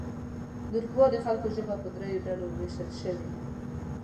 د اروپا د خلکو ژبه په دریو ډلو ویشل شوې ده.